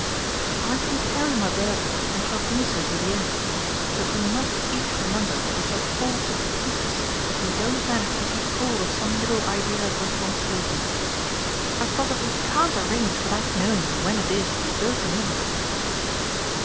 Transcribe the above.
"I can carry my burden and shall do so to the end; but we must each remember that we shall fall to pieces if we don't manage to keep hold of some little idea of responsibility. I positively can't arrange without knowing when it is you go to him."